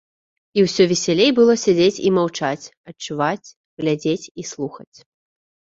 І ўсё весялей было сядзець і маўчаць, адчуваць, глядзець і слухаць.